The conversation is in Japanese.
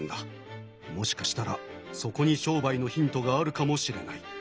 もしかしたらそこに商売のヒントがあるかもしれない。